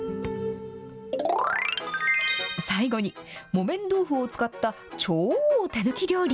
最後に木綿豆腐を使った超手抜き料理。